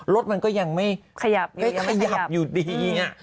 รถมันก็ยังไม่ขยับอยู่ดี